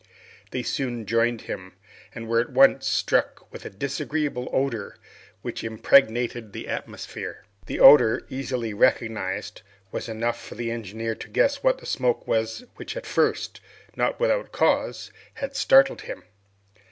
They soon joined him, and were at once struck with a disagreeable odor which impregnated the atmosphere. The odor, easily recognized, was enough for the engineer to guess what the smoke was which at first, not without cause, had startled him.